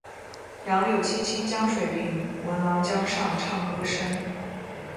杨柳青青江水平，闻郎江上唱歌声。